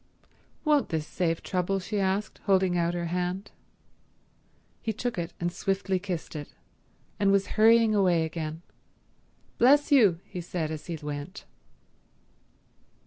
"Won't this save trouble?" she asked, holding out her hand. He took it and swiftly kissed it, and was hurrying away again. "Bless you," he said as he went.